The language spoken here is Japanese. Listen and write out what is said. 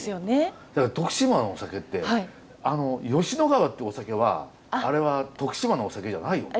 だけど徳島のお酒ってあの吉乃川ってお酒はあれは徳島のお酒じゃないよね？